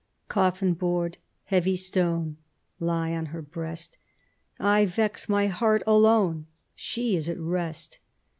Coffin board, heavy stone, Lie on her breast, I vex my heart alone, She is at rest.